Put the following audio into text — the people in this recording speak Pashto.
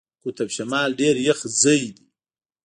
قطب شمال ډېر یخ ځای دی.